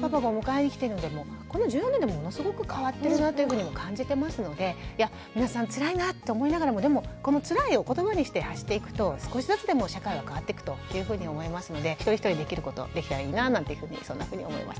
パパがお迎えに来てるんでこの１０年でものすごく変わってるなというふうにも感じてますので皆さんつらいなって思いながらもでもこのつらいを言葉にして発していくと少しずつでも社会は変わっていくというふうに思いますので一人一人できることできたらいいななんていうふうにそんなふうに思いました。